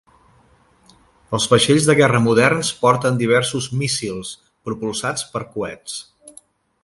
Els vaixells de guerra moderns porten diversos míssils propulsats per coets.